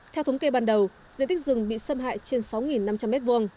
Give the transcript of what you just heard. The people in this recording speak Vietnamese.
theo thống kê ban đầu diện tích rừng bị xâm hại trên sáu năm trăm linh m hai